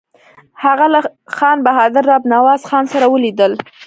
هغه له خان بهادر رب نواز خان سره ولیدل.